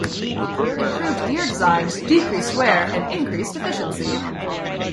Improved gear designs decreased wear and increased efficiency.